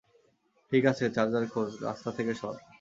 ঠিক আছে, চার্জার খোঁজ, - রাস্তা থেকে সর।